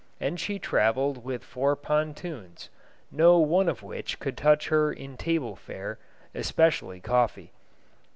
And she traveled with four pontoons, no one of which could touch her in table fare, especially coffee.